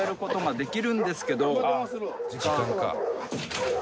「時間か」